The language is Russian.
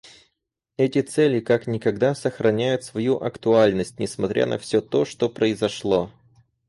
Эти цели как никогда сохраняют свою актуальность, несмотря на все то, что произошло.